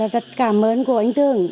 rất cảm ơn của anh tưởng